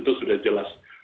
itu sudah jelas